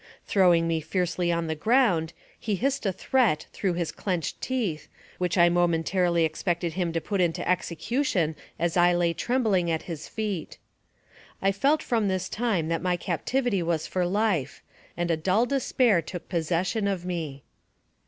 6 66 NARRATIVE OF CAPTIVITY Throwing me fiercely on the ground, he hissed a threat through his clenched teeth, which I momentarily ex pected him to put into execution, as I lay trembling at his feet. I felt from this time that my captivity was for life, and a dull despair took possession of me.